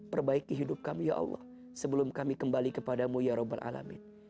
perbaiki hidup kami ya allah sebelum kami kembali kepadamu ya rabbil alamin